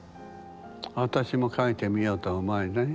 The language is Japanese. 私も描いてみようとは思わない？